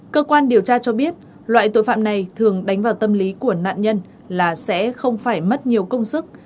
cơ quan điều tra cho biết loại tội phạm này thường đánh vào tâm lý của nạn nhân là sẽ không phải mất nhiều công sức